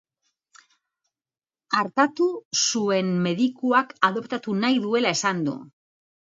Artatu zuen medikuak adoptatu nahi duela esan du.